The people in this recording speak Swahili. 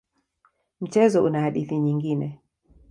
Mchezo una hadithi nyingine.